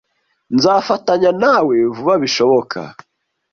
Nzafatanya nawe vuba bishoboka.